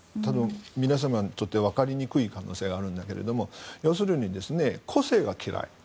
皆さんにとってわかりにくい可能性があるんだけど要するに個性が嫌い。